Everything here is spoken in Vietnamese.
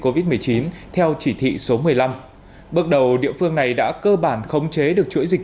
covid một mươi chín theo chỉ thị số một mươi năm bước đầu địa phương này đã cơ bản khống chế được chuỗi dịch